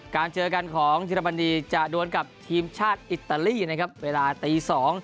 เจอกันของเยอรมนีจะดวนกับทีมชาติอิตาลีนะครับเวลาตี๒